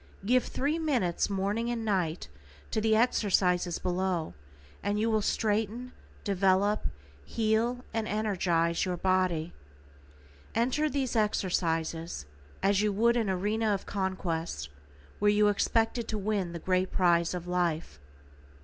Give three minutes morning and night to the exercises below and you will straighten, develop, heal, and energize your body. Enter upon these exercises as you would an arena of conquest where you expected to win the great prize of life.